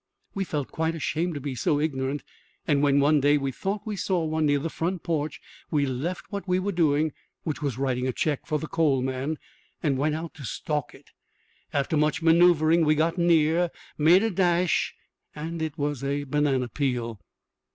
We felt quite ashamed to be so ignorant, and when one day we thought we saw one near the front porch we left what we were doing, which was writing a check for the coal man, and went out to stalk it. After much maneuvering we got near, made a dash and it was a banana peel!